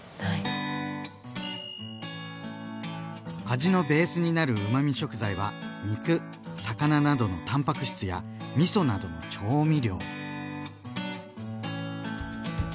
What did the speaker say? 味のベースになるうまみ食材は肉魚などのたんぱく質やみそなどの調味料。